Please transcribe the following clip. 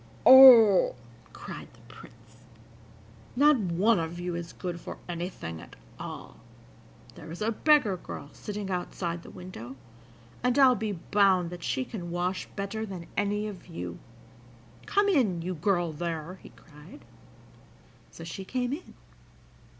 "Oh," cried the Prince, "not one of you is good for anything at all! There is a beggar girl sitting outside the window, and I'll be bound that she can wash better than any of you! Come in, you girl there!" he cried. So she came in.